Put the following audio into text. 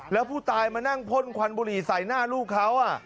แล้วผู้ตายมานั่งพ่นควันบุหรี่ใส่หน้าลูกเขา